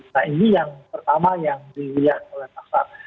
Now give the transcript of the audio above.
nah ini yang pertama yang dilihat oleh pasar